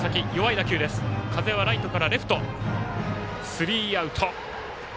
スリーアウト。